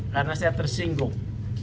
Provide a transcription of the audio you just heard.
karena saya tersinggung